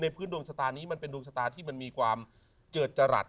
พื้นดวงชะตานี้มันเป็นดวงชะตาที่มันมีความเจิดจรัส